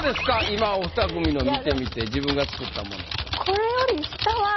今おふた組の見てみて自分が作ったものと。